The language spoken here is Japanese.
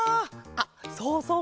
あっそうそう